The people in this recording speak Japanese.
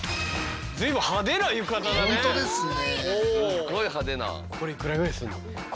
すっごい派手な。